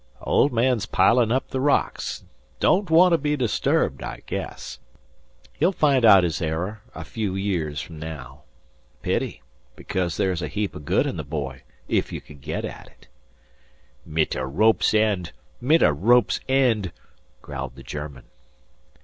"Old man's piling up the rocks. 'Don't want to be disturbed, I guess. He'll find out his error a few years from now. 'Pity, because there's a heap of good in the boy if you could get at it." "Mit a rope's end; mit a rope's end!" growled the German.